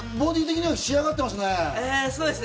ボディ的には仕上がっていますね。